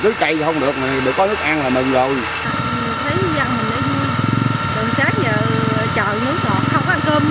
tuần sáng giờ trời nước ngọt không có ăn cơm nước đi luôn